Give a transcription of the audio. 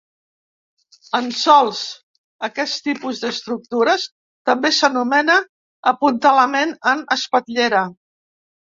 En sòls, aquest tipus d'estructura també s'anomena apuntalament en espatllera.